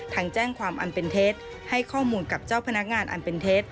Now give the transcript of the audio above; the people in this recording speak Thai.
แจ้งความอันเป็นเท็จให้ข้อมูลกับเจ้าพนักงานอันเป็นเท็จ